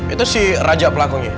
itu si raja pelakunya